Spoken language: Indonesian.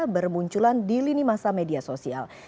bermunculan di lini masa media sosial